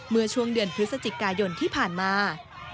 เมื่อช่วงเดือนพฤศจิกายนที่ผ่านมา